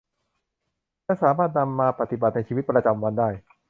และสามารถนำมาปฏิบัติในชีวิตประจำวันได้